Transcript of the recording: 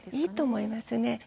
いいと思いますね。